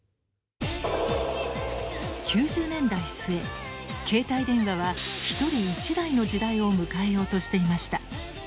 ９０年代末携帯電話は１人１台の時代を迎えようとしていました。